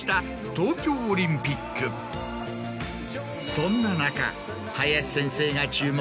そんな中。